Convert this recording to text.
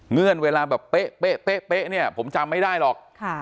เงื่อนเวลาแบบเป๊ะเป๊ะเป๊ะเป๊ะเนี่ยผมจำไม่ได้หรอกค่ะ